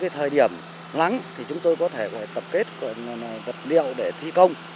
thời điểm nắng thì chúng tôi có thể tập kết vật liệu để thi công